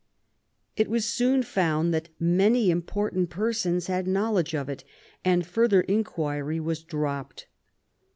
It was soon found that many important persons had knowledge of it, and further inquiry was dropped.